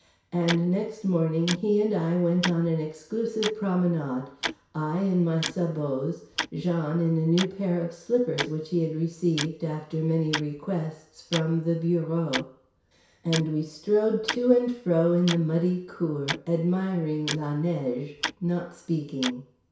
And next morning he and I went on an exclusive promenade, I in my sabots, Jean in a new pair of slippers which he had received (after many requests) from the bureau. And we strode to and fro in the muddy cour admiring la neige, not speaking.